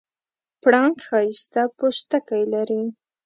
پړانګ ښایسته پوستکی لري.